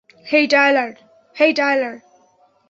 হেই, Tyler!